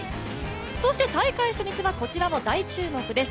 そして大会初日はこちらも大注目です。